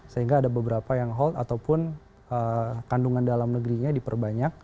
sehingga ada beberapa yang hold ataupun kandungan dalam negerinya diperbanyak